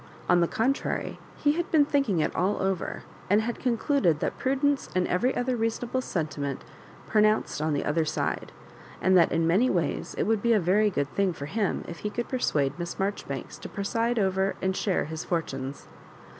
On the contrary, he had been thinking it all over, and had concluded that prudence and every other reasonable sentiment pronounced on the other side, and that in many ways it would be a very good thing for him if he could persuade Miss Marjoribanks to preside over and share his fortunes.